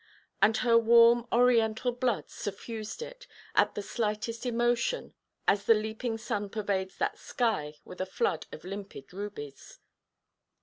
And her warm oriental blood suffused it, at the slightest emotion, as the leaping sun pervades that sky with a flood of limpid rubies.